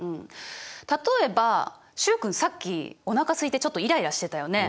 例えば習君さっきおなかすいてちょっとイライラしてたよね。